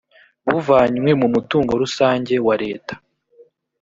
buvanywe mu mutungo rusange wa leta